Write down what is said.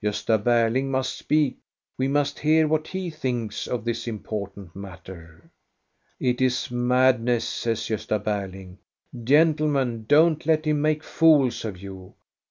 Gosta Barling must speak. We must hear what he thinks of this impor tant matter. " "It is madness," says Gosta Berling. "Gentle men, don't let him make fools of you!